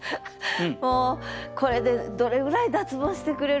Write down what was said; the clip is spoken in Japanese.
もうこれでどれぐらい脱ボンしてくれるかな？